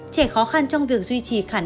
trẻ khó khăn trong việc duy trì khả năng